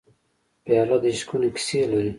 پیاله د عشقونو کیسې لري.